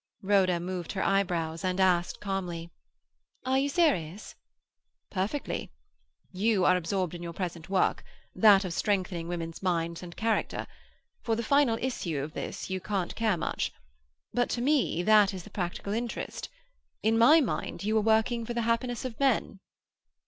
Rhoda moved her eyebrows, and asked calmly,— "Are you serious?" "Perfectly. You are absorbed in your present work, that of strengthening women's minds and character; for the final issue of this you can't care much. But to me that is the practical interest. In my mind, you are working for the happiness of men."